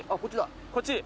こっちだ。